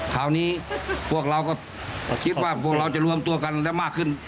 คราวนี้พวกเราก็คิดว่าพวกเราจะรวมตัวกันและมากขึ้น